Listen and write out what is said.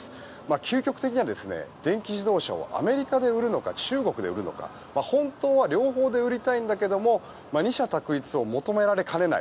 究極的には、電気自動車をアメリカで売るのか中国で売るのか、本当は両方で売りたいんだけれども二者択一を求められかねない。